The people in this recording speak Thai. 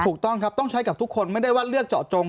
ถูกต้องครับต้องใช้กับทุกคนไม่ได้ว่าเลือกเจาะจง